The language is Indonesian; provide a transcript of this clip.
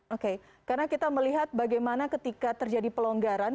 oke karena kita melihat bagaimana ketika terjadi pelonggaran